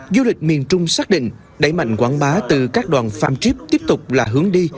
du lịch miền trung xác định đẩy mạnh quảng bá từ các đoàn farm trip tiếp tục là hướng đi